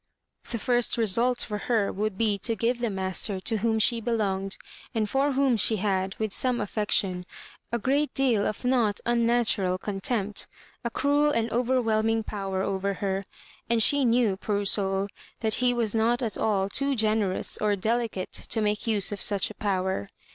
The first result for her would be to give the master to whom she belonged, and for whom she had, with some af fection, a great deal of not unnatural contempt, a cruel and overwhelming power over her ; and she knew, poor soul, that he was not at all too generous or delicate to make use of such a power.